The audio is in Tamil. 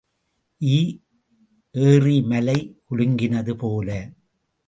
ஈ ஏறி மலை குலுங்கினது போல.